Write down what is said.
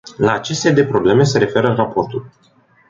La acest set de probleme se referă raportul.